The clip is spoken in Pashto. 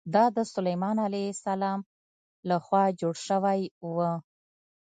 دا د سلیمان علیه السلام له خوا جوړ شوی و.